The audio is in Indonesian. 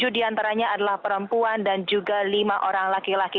tujuh diantaranya adalah perempuan dan juga lima orang laki laki